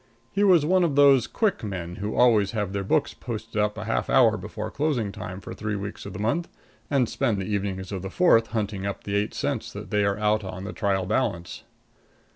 He was one of those quick men who always have their books posted up half an hour before closing time for three weeks of the month, and spend the evenings of the fourth hunting up the eight cents that they are out on the trial balance.